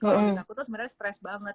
kalau misalku tuh sebenernya stress banget